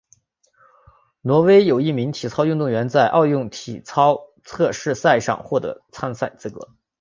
挪威有一名体操运动员在奥运体操测试赛上获得参赛资格。